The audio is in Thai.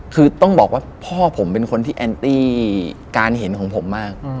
คือต้องบอกว่าพ่อผมเป็นคนที่แอนตี้การเห็นของผมมาก